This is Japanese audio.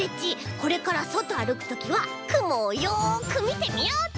これからそとあるくときはくもをよくみてみようっと！